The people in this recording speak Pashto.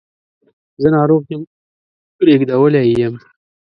زه ناروغ یم ریږدولی یې یم